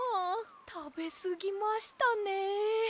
たべすぎましたねえ。